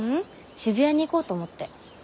渋谷に行こうと思って。